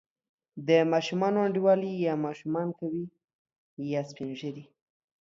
د ماشومانو انډیوالي یا ماشومان کوي، یا سپین ږیري.